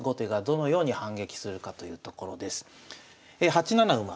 ８七馬。